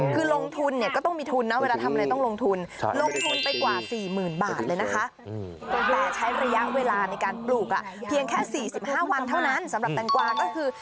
เพียงแค่๔๕วันเท่านั้นสำหรับแตงกวาก็คือ